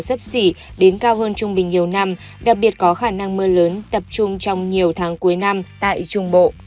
sấp xỉ đến cao hơn trung bình nhiều năm đặc biệt có khả năng mưa lớn tập trung trong nhiều tháng cuối năm tại trung bộ